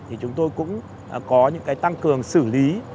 thì chúng tôi cũng có những cái tăng cường xử lý